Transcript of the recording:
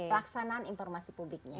pelaksanaan informasi publiknya